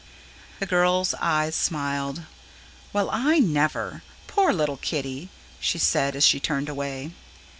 The girl's eyes smiled. "Well, I never! Poor little Kiddy," she said as she turned away.